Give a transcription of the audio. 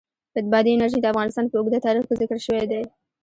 بادي انرژي د افغانستان په اوږده تاریخ کې ذکر شوی دی.